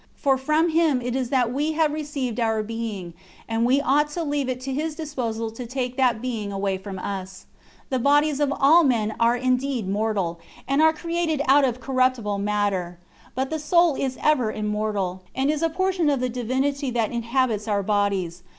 For from him it is that we have received our being, and we ought to leave it to his disposal to take that being away from us. The bodies of all men are indeed mortal, and are created out of corruptible matter; but the soul is ever immortal, and is a portion of the divinity that inhabits our bodies.